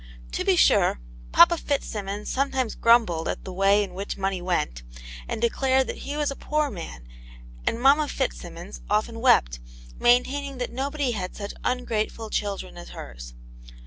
To be sure, papa Fitzsimmons sometimes grumbled at the way in which money went, and declared that he was a poor man, and mamma Fitzsimmons often wept, maintaining that nobody had such un grateful children as hers.